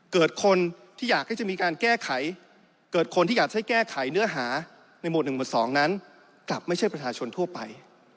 เกิดคนที่อยากให้จะมีการแก้ไขเกิดคนที่อยากให้แก้ไขเนื้อหาในหมวด๑หมวด๒นั้นกลับไม่ใช่ประชาชนทั่วไป